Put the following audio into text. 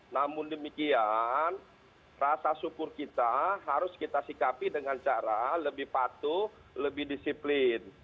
namun demikian rasa syukur kita harus kita sikapi dengan cara lebih patuh lebih disiplin